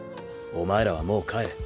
お前らはもう帰れ。